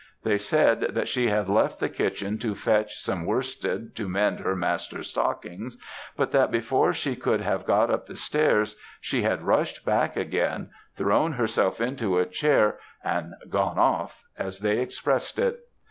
They said that she had left the kitchen to fetch some worsted to mend her master's stockings, but that before she could have got up stairs, she had rushed back again, thrown herself into a chair, and 'gone off' as they expressed it.